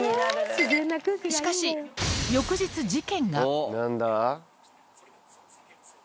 しかし、翌日、事件が。